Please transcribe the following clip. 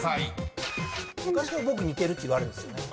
昔から僕似てるって言われるんですよね。